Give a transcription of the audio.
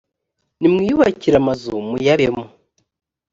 nimwiyubakire amazu muyabemo.